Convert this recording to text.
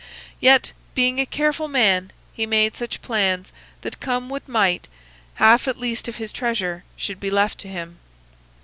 Yet, being a careful man, he made such plans that, come what might, half at least of his treasure should be left to him.